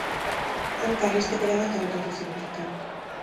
Han karlistek erabat harrapatu zituzten.